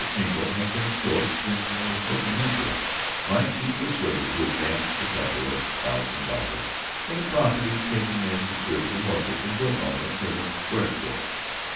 Engle had been approached and was looking into it, might be persuaded to advance the couple of thousand dollars for the property, taking as security a mortgage until Elmer could have squared for it.